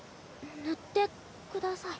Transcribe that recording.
塗ってください。